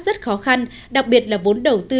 rất khó khăn đặc biệt là vốn đầu tư